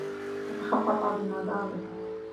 وَتَخَبَّطَ بِمَضَارِّهِ